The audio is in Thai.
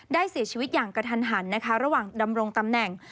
เสียชีวิตอย่างกระทันหันนะคะระหว่างดำรงตำแหน่ง